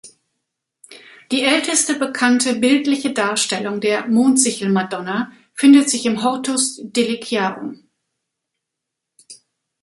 Die älteste bekannte bildliche Darstellung der Mondsichelmadonna findet sich im Hortus Deliciarum.